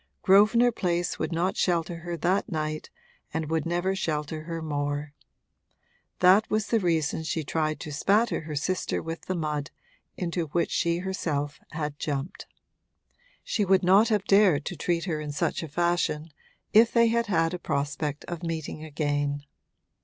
Grosvenor Place would not shelter her that night and would never shelter her more: that was the reason she tried to spatter her sister with the mud into which she herself had jumped. She would not have dared to treat her in such a fashion if they had had a prospect of meeting again.